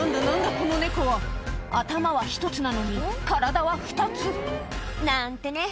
この猫は頭は１つなのに体は２つなんてね